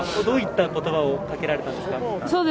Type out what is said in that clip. どういった言葉をかけられたんですか？